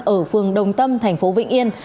ở phường đông tâm thành phố vịnh yên